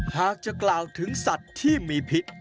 หากจะกล่าวถึงสัตว์ที่มีพิษ